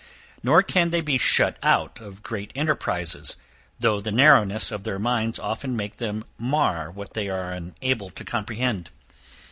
Nor can they be shut out of great enterprises, though the narrowness of their minds often make them mar what they are unable to comprehend.